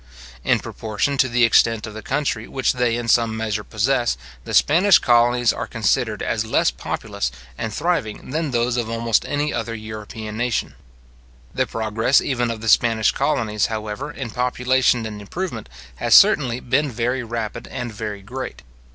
In proportion to the extent of the country which they in some measure possess, the Spanish colonies are considered as less populous and thriving than those of almost any other European nation. The progress even of the Spanish colonies, however, in population and improvement, has certainly been very rapid and very great.